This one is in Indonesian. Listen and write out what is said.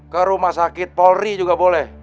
ke rumah sakit polri juga boleh